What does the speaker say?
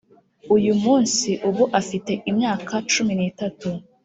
uyu munsi, ubu afite imyaka cumi n'itatu ...